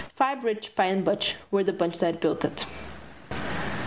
Fibe, Rich, Pie and Butch were the bunch that built it.